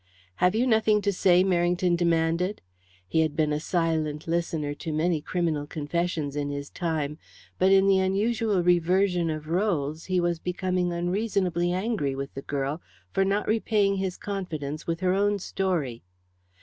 "Have you nothing to say?" Merrington demanded. He had been a silent listener to many criminal confessions in his time, but in the unusual reversion of roles he was becoming unreasonably angry with the girl for not repaying his confidence with her own story.